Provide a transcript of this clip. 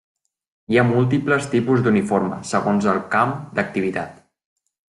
Hi ha múltiples tipus d'uniforme, segons el camp d'activitat.